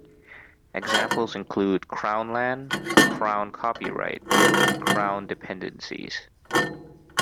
Examples include Crown land, Crown copyright, and Crown Dependencies.